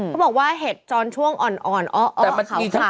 เขาบอกว่าเห็ดจอนช่วงอ่อนอ้ออ้อเข้าขาว